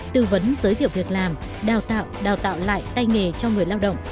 tư vấn giới thiệu việc làm đào tạo đào tạo lại tay nghề cho người lao động